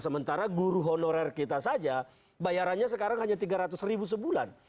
sementara guru honorer kita saja bayarannya sekarang hanya tiga ratus ribu sebulan